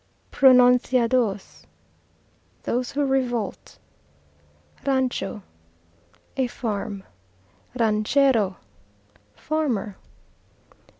Pronunciados Those who revolt. Rancho A farm. Ranchero Farmer.